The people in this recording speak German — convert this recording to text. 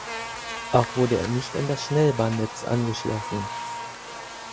Auch wurde er nicht an das Schnellbahnnetz angeschlossen.